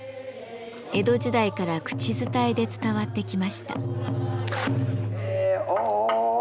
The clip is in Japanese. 江戸時代から口伝えで伝わってきました。